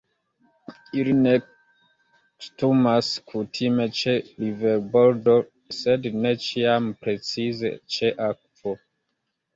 Ili nestumas kutime ĉe riverbordo, sed ne ĉiam precize ĉe akvo.